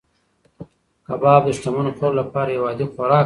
کباب د شتمنو خلکو لپاره یو عادي خوراک دی.